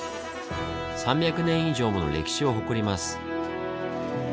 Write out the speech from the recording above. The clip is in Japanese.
３００年以上もの歴史を誇ります。